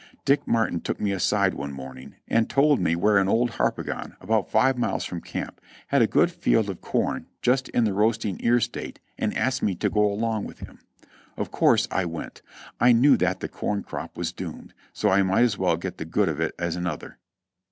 Dick Martin took me aside one morning and told me where an old Harpagon, about five miles from camp, had a good field of corn just in the roasting ear state and asked me to go along with him. Of course I went ; I knew that that corn crop was doomed, so I might as well get the good of it as another.